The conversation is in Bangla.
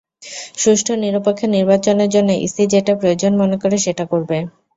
সুষ্ঠু, নিরপেক্ষ নির্বাচনের জন্য ইসি যেটা প্রয়োজন মনে করে সেটা করবে।